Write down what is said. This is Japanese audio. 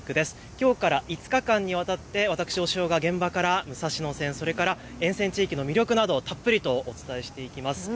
きょうから５日間にわたって私、押尾が現場から武蔵野線、それから沿線地域の魅力などをたっぷりとお伝えしていきます。